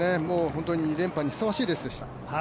本当に２連覇にふさわしいレースでした。